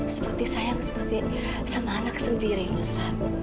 seperti sayang sama anak sendiri saat